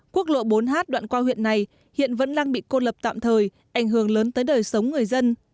quốc lộ bốn h đoạn qua huyện này hiện vẫn đang bị cô lập tạm thời ảnh hưởng lớn tới đời sống người dân